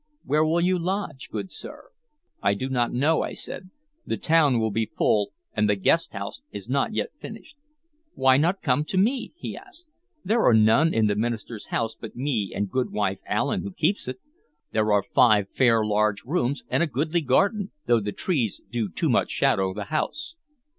Where will you lodge, good sir?" "I do not know," I said. "The town will be full, and the guest house is not yet finished." "Why not come to me?" he asked. "There are none in the minister's house but me and Goodwife Allen who keeps it. There are five fair large rooms and a goodly garden, though the trees do too much shadow the house.